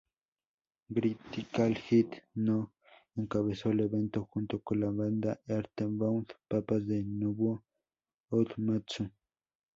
Critical Hit co-encabezó el evento junto con la banda Earthbound Papas de Nobuo Uematsu.